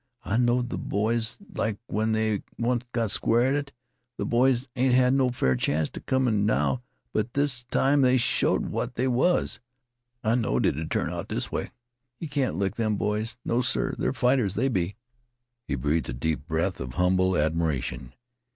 I knowed th' boys 'd like when they onct got square at it. Th' boys ain't had no fair chanct up t' now, but this time they showed what they was. I knowed it 'd turn out this way. Yeh can't lick them boys. No, sir! They're fighters, they be." He breathed a deep breath of humble admiration.